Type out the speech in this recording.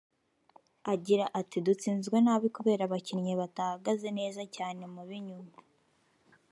Agira ati “Dutsinzwe nabi kubera abakinnyi batahagaze neza cyane mu b’inyuma